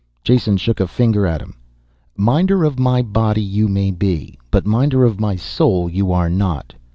Jason shook a finger at him. "Minder of my body you may be. But minder of my soul you are not.